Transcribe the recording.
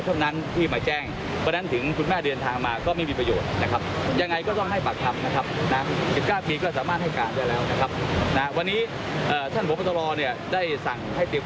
เพราะเราจะแด่งความดีใจให้สาธุเห็น